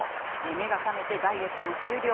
目が覚めてダイエットも終了。